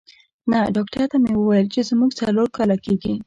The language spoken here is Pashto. نه، ډاکټر ته مې وویل چې زموږ څلور کاله کېږي.